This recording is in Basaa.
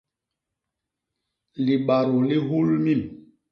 Libadô li hul mim.